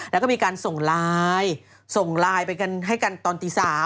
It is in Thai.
แล้วก็มีการส่งไลน์ส่งไลน์ไปกันให้กันตอนตี๓